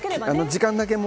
時間だけ。